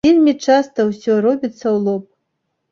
Вельмі часта ўсё робіцца ў лоб.